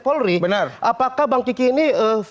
polri benar apakah bang kiki ini